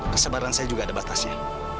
kesebaran saya juga ada batasnya